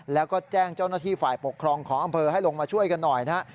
แล้วก็แจ้งเจ้าหน้าที่ฝ่ายปกครองของอำเภอให้ลงมาช่วยกันหน่อยนะฮะ